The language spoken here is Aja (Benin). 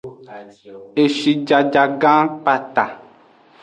Eshijajagan kpata.